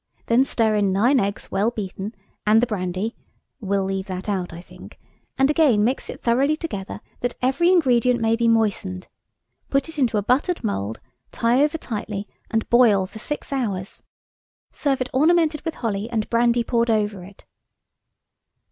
Then stir in nine eggs well beaten, and the brandy'–we'll leave that out, I think–'and again mix it thoroughly together that every ingredient may be moistened; put it into a buttered mould, tie over tightly, and boil for six hours. Serve it ornamented with holly and brandy poured over it.'"